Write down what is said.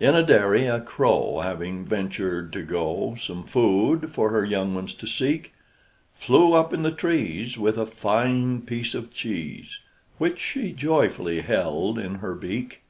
In a dairy a crow, Having ventured to go, Some food for her young ones to seek, Flew up in the trees, With a fine piece of cheese, Which she joyfully held in her beak.